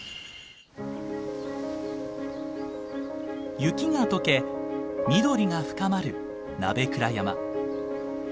雪が解け緑が深まる鍋倉山。